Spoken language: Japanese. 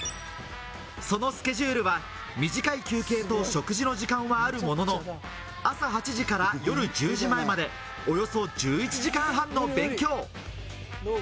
そのスケジュールは短い休憩と食事の時間はあるものの、朝８時から夜１０時前までおよそ１１時間半の勉強。